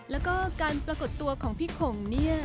แล้วก็การปรากฏตัวของพี่ขงเนี่ย